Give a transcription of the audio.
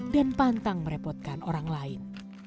dan pantang merepotkan orang lain